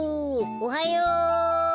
おはよう。